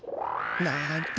なんて